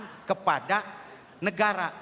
kejahatan kepada negara